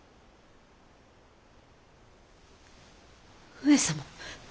上様。